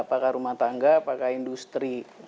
apakah rumah tangga apakah industri